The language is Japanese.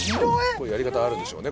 これやり方あるんでしょうね